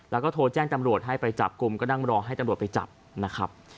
แล้วก็โทรแจ้งตำรวจให้ไปจับกลุ่มก็นั่งรอให้ตำรวจไปจับนะครับ